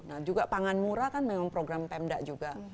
nah juga pangan murah kan memang program pemda juga